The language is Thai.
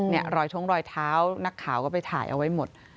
รอยท้องรอยเท้านักข่าวก็ไปถ่ายเอาไว้หมด